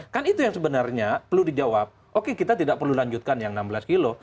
kan itu yang sebenarnya perlu dijawab oke kita tidak perlu lanjutkan yang enam belas kilo